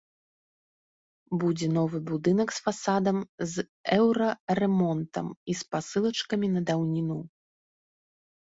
Будзе новы будынак з фасадам, з еўрарэмонтам і спасылачкамі на даўніну.